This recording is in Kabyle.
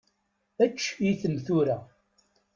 Ečč-iten, tura!